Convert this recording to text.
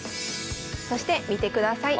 そして見てください。